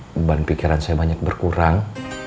beban pikiran saya banyak berkurang